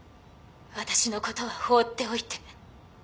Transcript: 私のことは放っておいて。